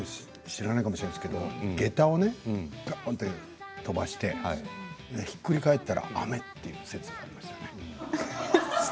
ないかもしれないけどげたを飛ばしてひっくり返ったら雨という説がありましてね。